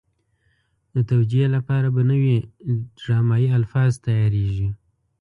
د توجیه لپاره به نوي ډرامایي الفاظ تیارېږي.